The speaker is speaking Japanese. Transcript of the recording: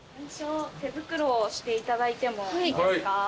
手袋をしていただいてもいいですか？